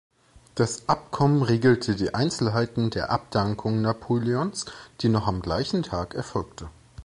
Das Abkommen regelte die Einzelheiten der Abdankung Napoleons, die noch am gleichen Tag erfolgte.